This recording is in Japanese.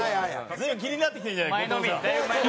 随分気になってきてるじゃない後藤さん。